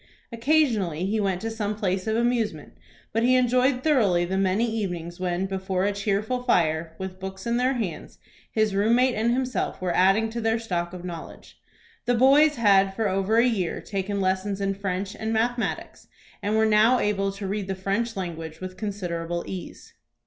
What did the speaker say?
Occasionally he went to some place of amusement, but he enjoyed thoroughly the many evenings when, before a cheerful fire, with books in their hands, his room mate and himself were adding to their stock of knowledge. The boys had for over a year taken lessons in French and mathematics, and were now able to read the French language with considerable ease.